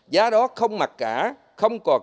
giá đó không mặc cả không còn kẻo